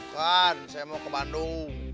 van saya mau ke bandung